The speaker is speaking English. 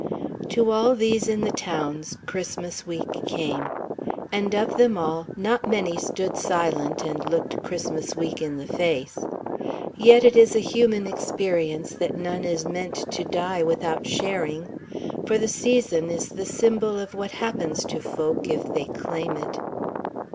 To all these in the towns Christmas Week came. And of them all not many stood silent and looked Christmas Week in the face. Yet it is a human experience that none is meant to die without sharing. For the season is the symbol of what happens to folk if they claim it.